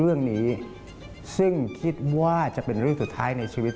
เรื่องนี้ซึ่งคิดว่าจะเป็นเรื่องสุดท้ายในชีวิต